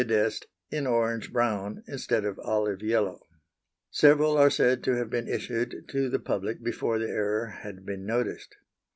e._ in orange brown instead of olive yellow. Several are said to have been issued to the public before the error had been noticed.